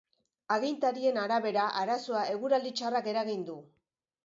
Agintarien arabera, arazoa eguraldi txarrak eragin du.